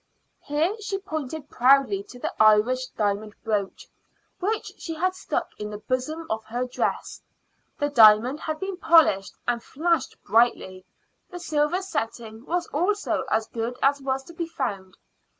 Here she pointed proudly to the Irish diamond brooch, which she had stuck in the bosom of her dress. The diamond had been polished, and flashed brightly; the silver setting was also as good as was to be found.